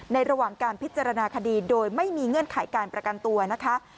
ระหว่างการพิจารณาคดีโดยไม่มีเงื่อนไขการประกันตัวนะคะ